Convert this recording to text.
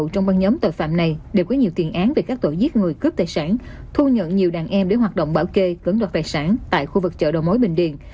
thu nhận nhiều đàn em để hoạt động bảo kê cấn đoạt tài sản tại khu vực chợ đồ mối bình điền